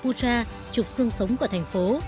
puchayaya trục sương sống của thành phố